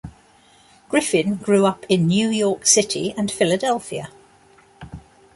Griffin grew up in New York City and Philadelphia.